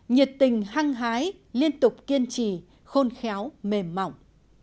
nhiệt tình hăng hái liên tục kiên trì khôn khéo mềm mỏng